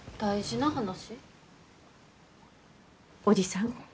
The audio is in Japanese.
おじさん